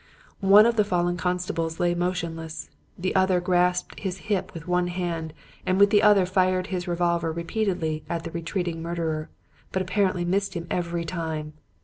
"One of the fallen constables lay motionless; the other grasped his hip with one hand and with the other fired his revolver repeatedly at the retreating murderer, but apparently missed him every time.